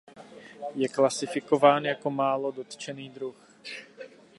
Je klasifikován jako málo dotčený druh.